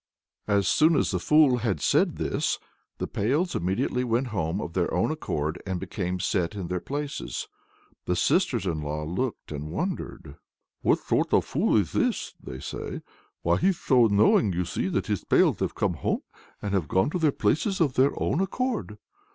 '" As soon as the fool had said this, the pails immediately went home of their own accord and became set in their places. The sisters in law looked and wondered. "What sort of a fool is this!" they say. "Why, he's so knowing, you see, that his pails have come home and gone to their places of their own accord!"